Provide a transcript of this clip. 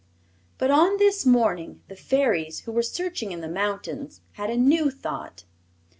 But on this morning the Fairies who were searching in the mountains had a new thought.